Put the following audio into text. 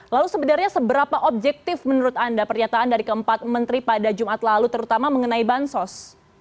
lalu sebenarnya seberapa objektif menurut anda pernyataan dari keempat menteri pada jumat lalu terutama mengenai bansos